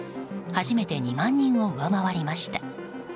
初めて２万人を上回りました。